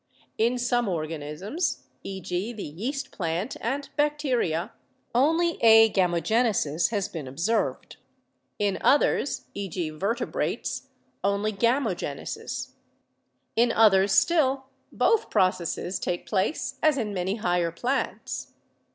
In some organisms (e.g., the yeast plant and bacteria) only agamogenesis has been observed; in others (e.g., vertebrates) only gamo genesis; in others still both processes take place as in many higher plants.